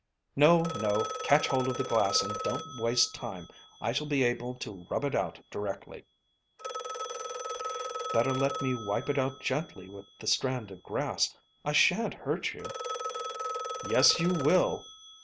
"No, no, catch hold of the glass and don't waste time. I shall be able to rub it out directly." "Better let me wipe it out gently with the strand of grass. I shan't hurt you." "Yes, you will.